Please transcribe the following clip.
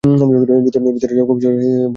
ভিতরে যাওয়া খুব সহজ, কিন্তু বাইরে আসা এত সহজ নয়।